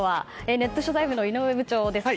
ネット取材部の井上部長です。